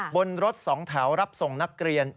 บนรถสองแถวรับส่งนักเรียน